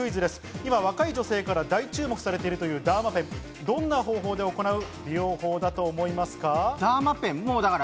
今、若い女性から大注目されているというダーマペン、どんな方法で行う美容法だと思いますか？